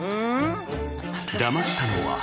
だましたのは。